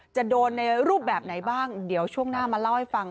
จะโดนในรูปแบบไหนบ้างเดี๋ยวช่วงหน้ามาเล่าให้ฟัง